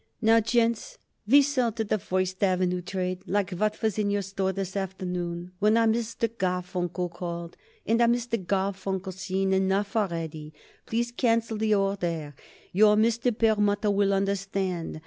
Now, gents, we sell to the First Avenue trade, like what was in your store this afternoon when our Mr. Garfunkel called, and our Mr. Garfunkel seen enough already. Please cancel the order. Your Mr. Perlmutter will understand.